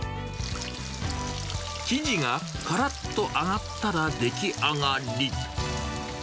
生地がからっと揚がったら出来上がり。